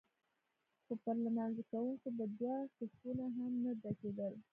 خو پر لمانځه کوونکو به دوه صفونه هم نه ډکېدل.